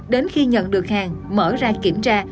đến khi nhận được hàng mở ra kiểm tra